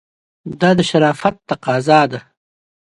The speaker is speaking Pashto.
دا د شرافت تقاضا ده.